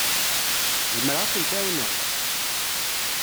Zemreɣ ad kent-ɛawneɣ?